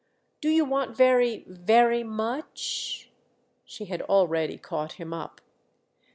"Do you want very, very much——?" She had already caught him up.